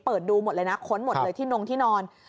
ดูหมดเลยนะค้นหมดเลยที่นงที่นอน